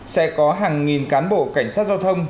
sẽ có hàng nghìn cán bộ cảnh sát giao thông